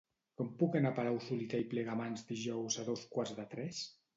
Com puc anar a Palau-solità i Plegamans dijous a dos quarts de tres?